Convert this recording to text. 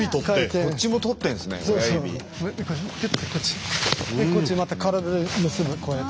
こっちまた軽く結ぶこうやって。